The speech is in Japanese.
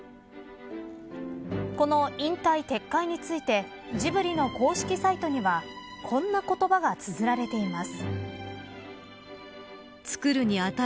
この引退撤回についてジブリの公式サイトにはこんな言葉がつづられています。